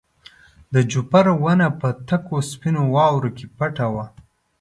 د جوپر ونه په تکو سپینو واورو کې پټه وه.